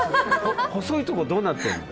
細いところどうなってるの？